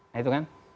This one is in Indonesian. nah itu kan